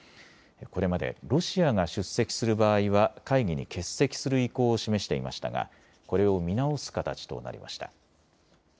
これまでロシアが出席する場合は会議に欠席する意向を示していましたがこれを見直す形となりました。